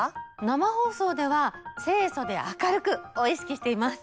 生放送では清楚で明るく！を意識しています。